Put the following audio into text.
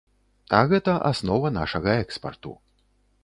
А гэта аснова нашага экспарту.